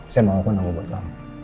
saya mau ke nama buat lo